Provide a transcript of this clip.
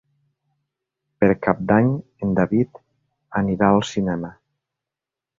Per Cap d'Any en David anirà al cinema.